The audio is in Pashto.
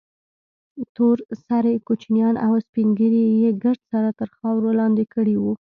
تور سرې کوچنيان او سپين ږيري يې ګرد سره تر خارور لاندې کړي وو.